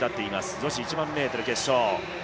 女子１００００ｍ決勝。